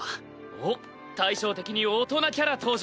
おっ対称的に大人キャラ登場！